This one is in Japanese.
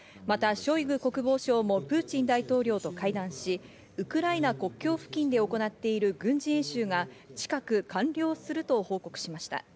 またショイグ国防相もプーチン大統領と会談し、ウクライナ国境付近で行っている軍事演習が近く完了すると報告しました。